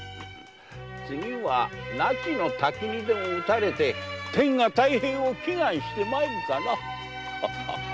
次は那智の滝にでも打たれて天下太平を祈願してまいるかな。